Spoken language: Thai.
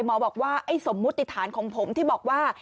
บอกว่าไอ้สมมุติฐานของผมที่บอกว่า